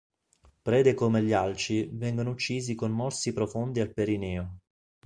Prede come gli alci vengono uccisi con morsi profondi al perineo.